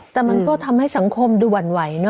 แต่มันก็ทำให้สังคมดูหวั่นไหวเนอ